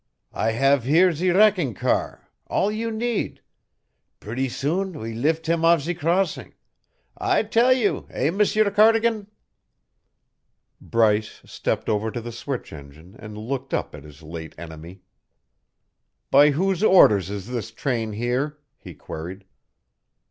I have here zee wrecking car all you need; pretty soon we lift him off zee crossing, I tell you, eh, M'sieur Cardigan?" Bryce stepped over to the switch engine and looked up at his late enemy. "By whose orders is this train here?" he queried.